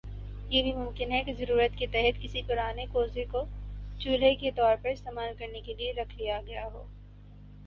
یہ بھی ممکن ہے کہ ضرورت کے تحت کسی پرانے کوزے کو چولہے کے طور پر استعمال کرنے کے لئے رکھ لیا گیا ہو